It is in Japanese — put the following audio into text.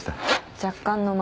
若干の間。